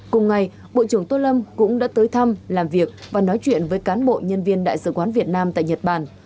cùng ngày bộ trưởng tô lâm cũng đã tới thăm làm việc và nói chuyện với cán bộ nhân viên đại sứ quán việt nam tại nhật bản